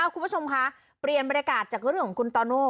คุณผู้ชมคะเปลี่ยนบรรยากาศจากเรื่องของคุณโตโน่